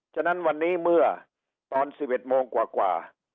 ฉะนั้นวันนี้เมื่อตอน๑๑โมงกว่า